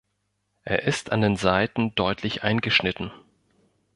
Er ist an den Seiten deutlich eingeschnitten.